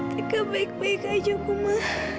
tika baik baik aja ma